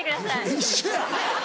一緒や！